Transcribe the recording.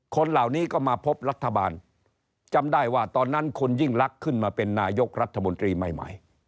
คนเหล่านี้ก็มาพบรัฐบาลจำได้ว่าตอนนั้นคุณยิ่งลักษณ์ขึ้นมาเป็นนายกรัฐมนตรีใหม่